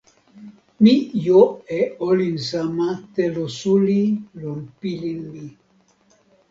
mi jo e olin sama telo suli lon pilin mi.